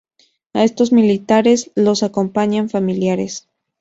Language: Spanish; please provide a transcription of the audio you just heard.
A estos militares los acompañan familiares.